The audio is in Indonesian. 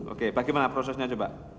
oke bagaimana prosesnya coba